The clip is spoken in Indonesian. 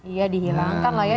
iya dihilangkan lah ya